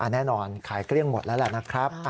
แน่นอนขายเกลี้ยงหมดแล้วแหละนะครับ